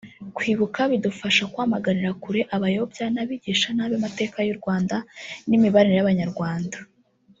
Kwibuka bidufasha kwamaganira kure abayobya n’abigisha nabi amateka y’u Rwanda n’imibanire y’Abanyarwanda